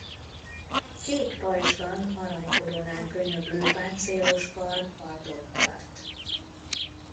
Kék pajzsban arany-koronán könyöklő páncélos kar kardot tart.